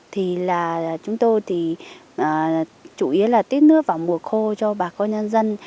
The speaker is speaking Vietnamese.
thì là chúng tôi thì chủ yếu là tiết nước vào mùa khô cho bà con nhân dân